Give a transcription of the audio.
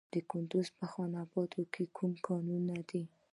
د کندز په خان اباد کې کوم کانونه دي؟